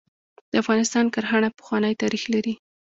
د افغانستان کرهڼه پخوانی تاریخ لري .